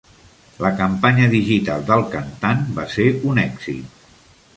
La campanya digital del cantant va ser un èxit.